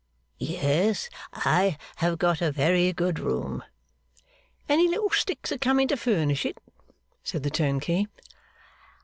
'Yes, I have got a very good room.' 'Any little sticks a coming to furnish it?' said the turnkey.